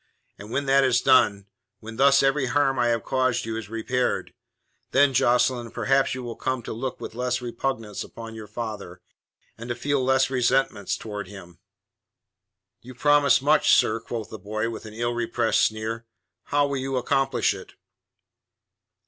And when that is done, when thus every harm I have caused you is repaired, then, Jocelyn, perhaps you will come to look with less repugnance upon your father, and to feel less resentment towards him." "You promise much, sir," quoth the boy, with an illrepressed sneer. "How will you accomplish it?"